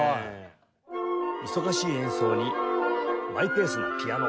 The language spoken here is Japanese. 忙しい演奏にマイペースなピアノ。